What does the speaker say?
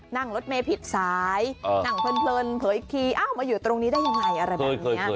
นั่งรถเมย์ผิดสายนั่งเพลินเผยอีกทีอ้าวมาอยู่ตรงนี้ได้ยังไงอะไรแบบนี้